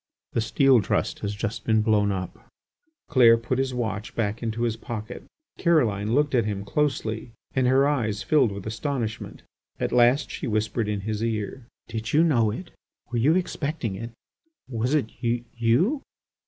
"The Steel Trust has just been blown up." Clair put his watch back into his pocket. Caroline looked at him closely and her eyes filled with astonishment. At last she whispered in his ear: "Did you know it? Were you expecting it? Was it you